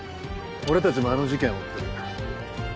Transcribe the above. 俺たちもあの事件を追ってる。